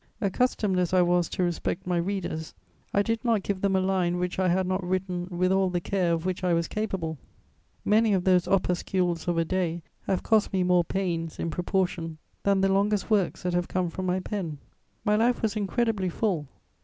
Accustomed as I was to respect my readers, I did not give them a line which I had not written with all the care of which I was capable: many of those opuscules of a day have cost me more pains, in proportion, than the longest works that have come from my pen. My life was incredibly full.